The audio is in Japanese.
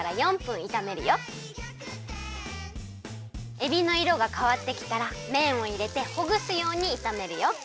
「大ぎゃくてん」えびのいろがかわってきたらめんをいれてほぐすようにいためるよ。